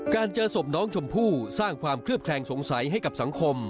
เจอศพน้องชมพู่สร้างความเคลือบแคลงสงสัยให้กับสังคม